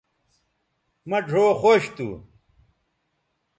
مہ ڙھؤ خوش تھو